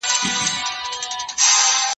زه له سهاره ليک لولم؟!